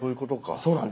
そうなんです。